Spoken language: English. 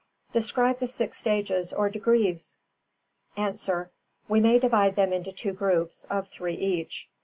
Describe the six stages or degrees? A. We may divide them into two groups, of three each.